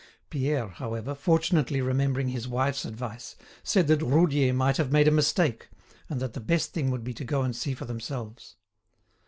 Pierre, however, fortunately remembering his wife's advice, said that Roudier might have made a mistake, and that the best thing would be to go and see for themselves.